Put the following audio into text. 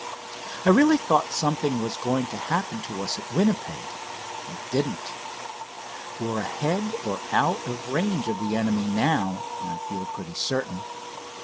I really thought something was going to happen to us at Winnipeg. It didn't. We're ahead or out of range of the enemy now, I feel pretty certain.